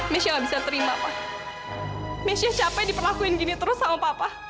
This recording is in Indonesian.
mesya nggak bisa terima pak mesya capek diperlakuin gini terus sama papa